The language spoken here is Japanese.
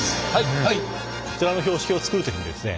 こちらの標識を作る時にですね